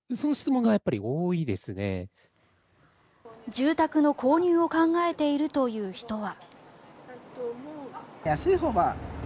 住宅の購入を考えているという人は。